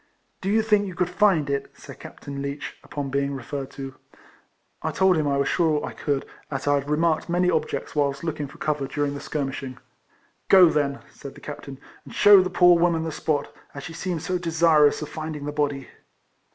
" Do you think you could find it?" said Captain Leech, upon being referred to. I told him I was sure I could, as I had remarked many objects whilst looking for cover during the skirmishing. " Go then," said the captain, " and shew the poor woman the spot, as she seems so desirous of finding the body."